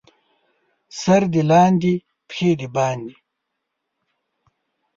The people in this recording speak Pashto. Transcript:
سر دې لاندې، پښې دې باندې.